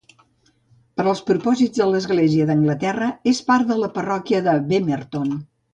Per als propòsits de l'Església d'Anglaterra, és part de la parròquia de Bemerton.